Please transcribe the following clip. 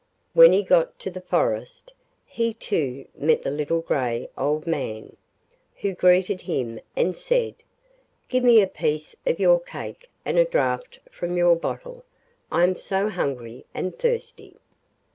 When he got to the forest, he too met the little grey old man, who greeted him and said: 'Give me a piece of your cake and a draught from your bottle; I am so hungry and thirsty.